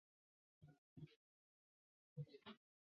研议台北市东侧南北向捷运系统。